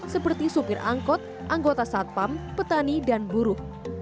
seperti supir angkot anggota satpam petani dan buruh